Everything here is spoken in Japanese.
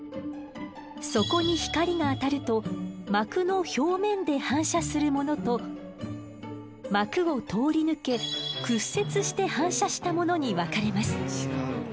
そこに光が当たると膜の表面で反射するものと膜を通り抜け屈折して反射したものに分かれます。